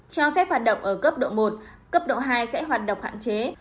cho phép hoạt động ở cấp độ một cấp độ hai sẽ hoạt động hạn chế